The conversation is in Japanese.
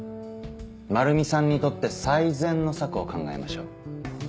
まるみさんにとって最善の策を考えましょう。